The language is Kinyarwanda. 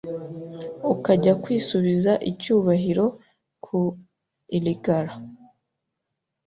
ukajya kwisubiza icyubahiro ku iligala…